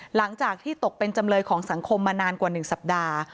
หลังจากที่ตกเป็นจำเลยของสังคมมานานกว่า๑สัปดาห์